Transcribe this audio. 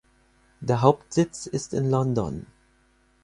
Der Hauptsitz ist in London.